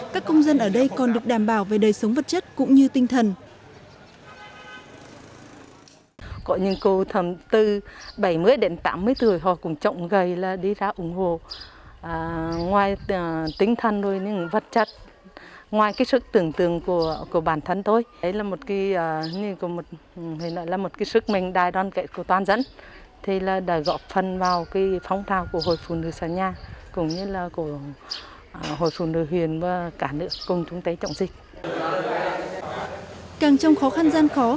các công dân ở đây còn được đảm bảo về đời sống vật chất cũng như tinh thần